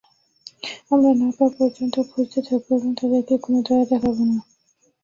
আমরা না পাওয়া পর্যন্ত খুঁজতে থাকবো এবং তাদের কোন দয়া দেখাবো না।